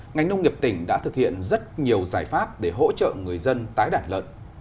ngành nông nghiệp tỉnh đã thực hiện rất nhiều giải pháp để hỗ trợ người dân tái đàn lợn